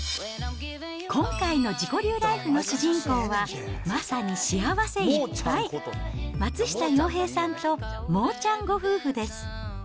今回の自己流ライフの主人公は、まさに幸せいっぱい、松下洋平さんとモーちゃんご夫婦です。